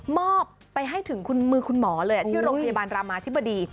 อบไปให้ถึงมือคุณหมอเลยที่โรงพยาบาลรามาธิบดี